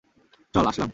চল, আসলাম।